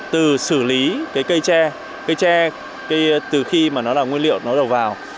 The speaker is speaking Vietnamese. từ xử lý cái cây che cây che từ khi mà nó là nguyên liệu nó đầu vào